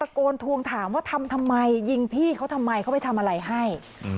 โกนทวงถามว่าทำทำไมยิงพี่เขาทำไมเขาไปทำอะไรให้